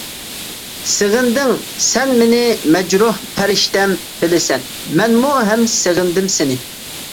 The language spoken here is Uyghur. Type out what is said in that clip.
سېغىندىڭ سەن مېنى مەجرۇھ پەرىشتەم، بىلىسەن، مەنمۇ ھەم سېغىندىم سېنى.